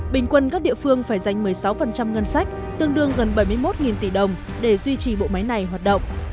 bình quân các địa phương phải dành một mươi sáu ngân sách tương đương gần bảy mươi một tỷ đồng để duy trì bộ máy này hoạt động